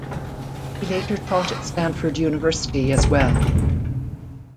He later taught at Stanford University as well.